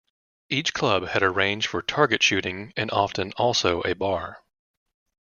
Each club had a range for target shooting and often also a bar.